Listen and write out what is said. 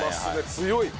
強い。